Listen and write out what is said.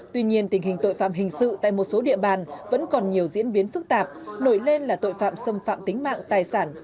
tuy nhiên tình hình tội phạm hình sự tại một số địa bàn vẫn còn nhiều diễn biến phức tạp nổi lên là tội phạm xâm phạm tính mạng tài sản